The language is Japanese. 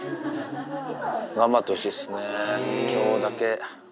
頑張ってほしいっすね、きょうだけ。